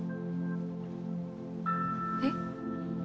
えっ？